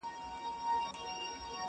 په لوی لاس به مي ځان وسپارم عذاب ته،